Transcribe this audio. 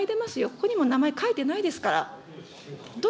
ここにも名前書いてないですから。